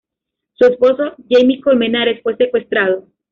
Su esposo, Jaime Colmenares, fue secuestrado.